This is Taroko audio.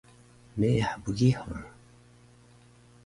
Meyah bgihur